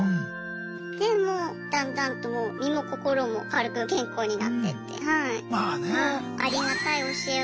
でもうだんだんと身も心も軽く健康になってって。